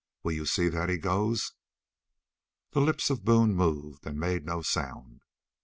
Will you see that he goes?" The lips of Boone moved and made no sound.